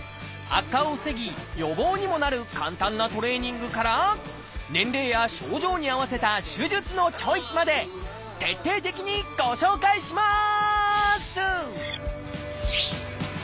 悪化を防ぎ予防にもなる簡単なトレーニングから年齢や症状に合わせた手術のチョイスまで徹底的にご紹介します！